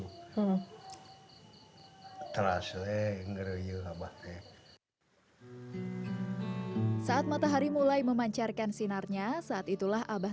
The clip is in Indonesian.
terasa ngeri abahnya saat matahari mulai memancarkan sinarnya saat itulah abah